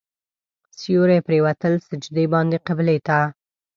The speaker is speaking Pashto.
سیوري پرېوتل سجدې باندې قبلې ته.